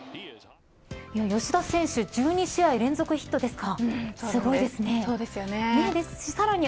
吉田選手１２試合連続ヒットですか。